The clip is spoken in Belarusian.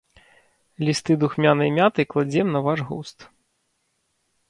Лісты духмянай мяты кладзём на ваш густ.